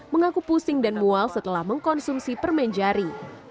mengaku pusing dan mual setelah mengkonsumsi permen jari